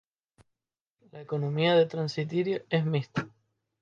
La economía de Transnistria es mixta.